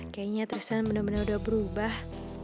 kayanya tristan bener bener udah berubah